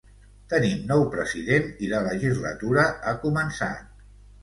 Tenim nou president i la legislatura ha començat.